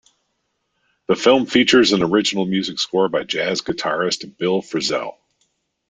The film features an original music score by jazz guitarist Bill Frisell.